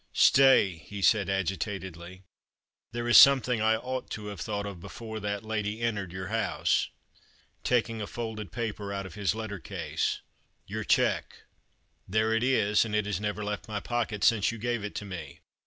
" Stay," he said agitatedly, " there is something I ought to have thought of before that lady entered your The Christmas Hirelings. 237 house." Taking a folded paper out of his letter case, "Your cheque. There it is; and it has never left my pocket since you gave it to me.